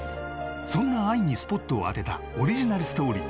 そんな愛にスポットを当てたオリジナルストーリー